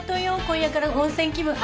今夜から温泉気分